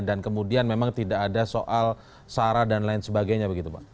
dan kemudian memang tidak ada soal sarah dan lain sebagainya begitu pak